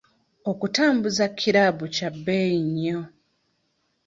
Okutambuza kiraabu kya bbeeyi nnyo.